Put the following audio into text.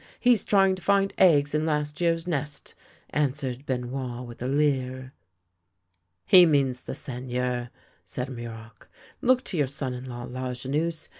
He's trying to find eggs in last year's nest," answered Benoit with a leer. " He means the Seigneur," said Muroc. " Look to your son in law, Lajeunesse.